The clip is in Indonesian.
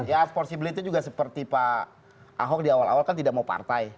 ya porsibility juga seperti pak ahok di awal awal kan tidak mau partai